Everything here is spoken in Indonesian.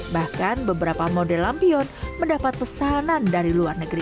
bahkan beberapa model lampion mendapat pesanan dari luar negeri